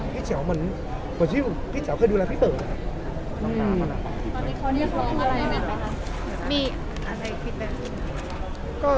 แจ๋วเหมือนที่พี่แจ๋วเคยดูแลพี่เบิร์ต